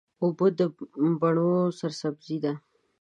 اوبه د بڼو سرسبزي ده.